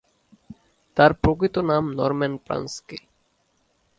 তার প্রকৃত নাম নরম্যান প্র্যান্সকি।